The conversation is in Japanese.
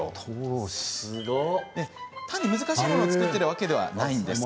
これ、単に難しいものを作っているわけではないんです。